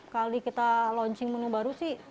kali kita launching menu baru sih